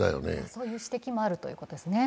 そういう指摘もあるということですね。